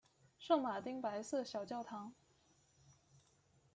圣马丁白色小教堂。